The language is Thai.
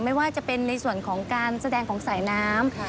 ไม่ว่าจะเป็นในส่วนของการแสดงของสายน้ำ